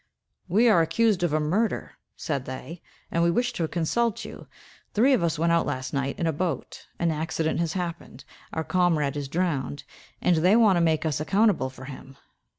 "We are accused of a murder," said they, "and we wish to consult you. Three of us went out, last night, in a boat; an accident has happened; our comrade is drowned, and they want to make us accountable for him."